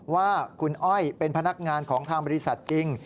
ว่าคุณอ้อยเป็นพนักงานของทางบริษัทจริง